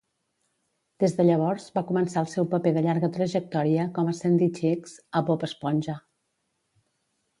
Des de llavors, va començar el seu paper de llarga trajectòria com a Sandy Cheeks a "Bob Esponja".